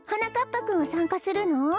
ぱくんはさんかするの？